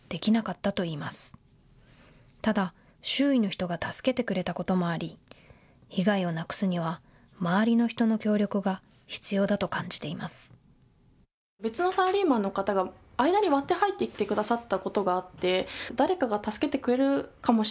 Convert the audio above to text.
ただ周囲の人が助けてくれたこともあり被害をなくすには周りの人の協力が必要だと感じています。